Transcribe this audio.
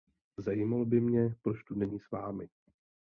Zajímalo by mě, proč tu není s vámi.